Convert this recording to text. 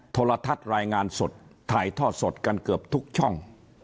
โทรทัศน์รายงานสดถ่ายทอดสดกันเกือบทุกช่อง